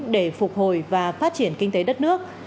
để phục hồi và phát triển kinh tế đất nước